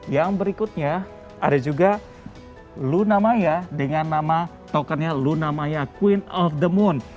yang berikutnya ada juga lunamaya dengan nama tokennya lunamaya queen of the moon